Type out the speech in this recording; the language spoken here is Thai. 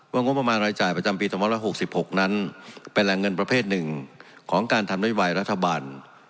ว่าง้วงประมาณรายจ่ายประจำปีตังค์วัน๖๖เนนั้นเป็นแหล่งเงินประเภทหนึ่งของการทำได้ใหม่รัฐบาล